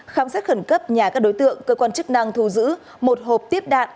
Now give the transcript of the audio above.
khám xét khẩn cấp nhà các đối tượng cơ quan chức năng thu giữ một hộp tiếp đạn